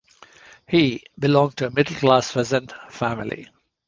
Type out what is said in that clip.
He belonged to a middle class peasant family.